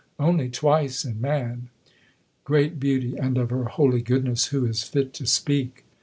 only twice in man great beauty, and of her holy goodness who is fit to speak?"